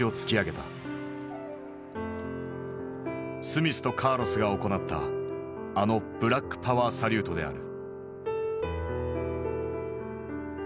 スミスとカーロスが行ったあのブラックパワー・サリュートである。